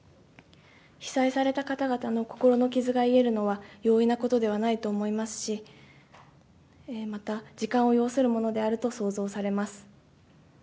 被災された方々の心の傷が癒えるのは容易なことではないと思いますし、また、時間を要するものであると想像されます。